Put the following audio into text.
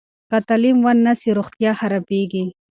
که تعلیم ونه سي، روغتیا خرابېږي.